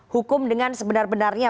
hukum dengan sebenar benarnya